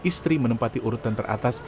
istri menempati urutan teratas